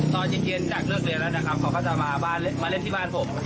ตอนจริงจากเลือกเรียนแล้วนะครับเขาก็จะมาเล่นที่บ้านผม